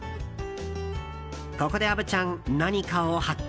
ここで虻ちゃん何かを発見。